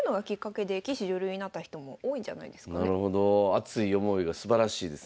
熱い思いがすばらしいですね。